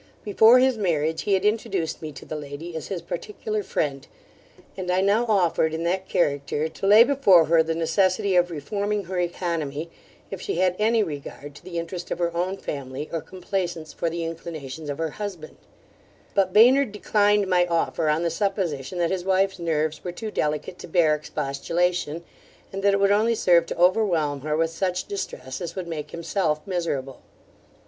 Before his marriage, he had introduced me to the lady as his particular friend; and I now offered in that character, to lay before her the necessity of reforming her oeconomy, if she had any regard to the interest of her own family, or complaisance for the inclinations of her husband But Baynard declined my offer, on the supposition that his wife's nerves were too delicate to bear expostulation; and that it would only serve to overwhelm her with such distress as would make himself miserable.